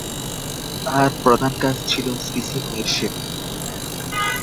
তাঁহার প্রধান কাজ ছিল শ্রীশ্রীমায়ের সেবা।